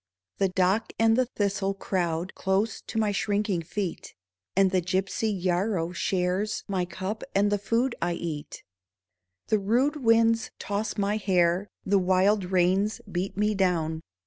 The dock and the thistle crowd Close to my shrinking feet. And the gypsy yarrow shares My cup and the food I eat. The rude winds toss my hair, The wild rains beat me down.